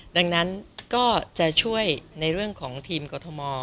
ดังนั้นก็จะช่วยในเรื่องของทีมกรทม